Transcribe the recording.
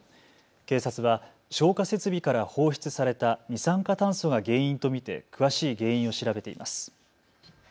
警察は消火設備から放出された二酸化炭素が原因と見て詳しい原因を調べています。